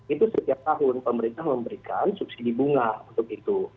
itu setiap tahun pemerintah memberikan subsidi bunga untuk itu